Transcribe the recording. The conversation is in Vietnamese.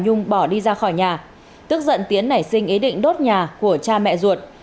nhung bỏ đi ra khỏi nhà tức giận tiến nảy sinh ý định đốt nhà của cha mẹ ruột